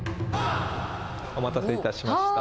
お待たせいたしました。